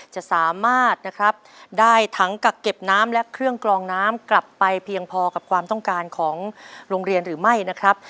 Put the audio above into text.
จะสามารถนะครับได้ถังกักเก็บน้ำและเครื่องกรองน้ำกลับไปเพียงพอกับความต้องการของโรงเรียนหรือไม่นะครับ